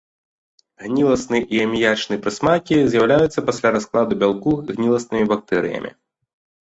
Гніласны і аміячны прысмакі з'яўляюцца пасля раскладу бялку гніласнымі бактэрыямі.